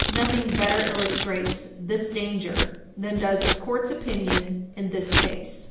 Nothing better illustrates this danger than does the Court's opinion in this case.